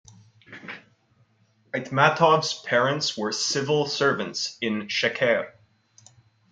Aitmatov's parents were civil servants in Sheker.